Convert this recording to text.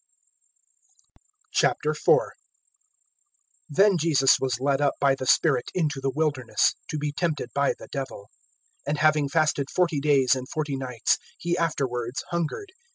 IV. THEN Jesus was led up by the Spirit into the wilderness, to be tempted by the Devil. (2)And having fasted forty days and forty nights, he afterwards hungered.